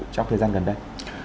trong thời gian gần đây